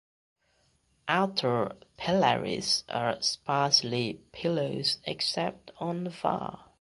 Outer phyllaries are sparsely pilose except on var.